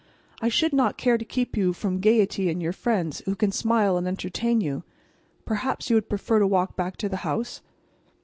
I should not care to keep you from gayety and your friends who can smile and entertain you. Perhaps you would prefer to walk back to the house?"